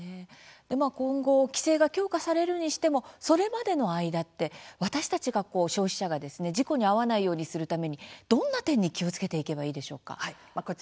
今後、規制が強化されるにしてもそれまでの間って私たちが消費者が事故に遭わないようにするためにどんな点に気をつけていけばいいんでしょうか？